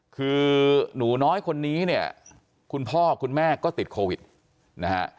คือหนูน้อยคนนี้เนี่ยคุณพ่อคุณแม่ก็ติดโควิดนะฮะ